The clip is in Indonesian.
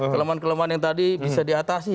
kelemahan kelemahan yang tadi bisa diatasi